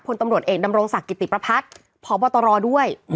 พลตำรวจเอกดำรงศักดิ์กิติประพัฒน์พบตรด้วย